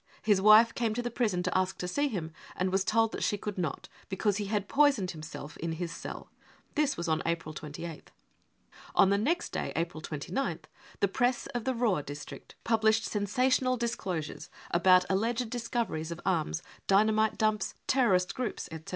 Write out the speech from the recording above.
His wife came to the prison to ask to see him, and was told that she could not, because he had poisoned himself in his cell. This was on April 28th, On the next day, April 29th, the Press of the Ruhr district published " sensational disclosures " about alleged dis coveries of arms, dynamite dumps, terrorist groups, etc.